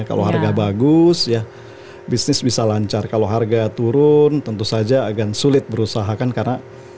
kalau harga bagus ya bisnis bisa lancar kalau harga turun tentu saja agak sulit berusahakan karena